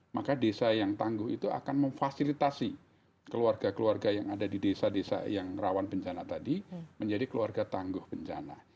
maka desa yang tangguh itu akan memfasilitasi keluarga keluarga yang ada di desa desa yang rawan bencana tadi menjadi keluarga tangguh bencana